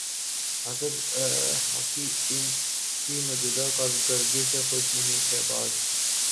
حاسد hockey team کی موجودہ کارکردگی سے خوش نہیں شہباز